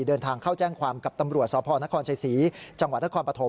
เดินทางเข้าแจ้งความกับตำรวจสพนครชัยศรีจังหวัดนครปฐม